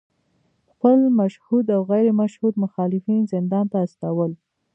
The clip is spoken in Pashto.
خپل مشهود او غیر مشهود مخالفین زندان ته استول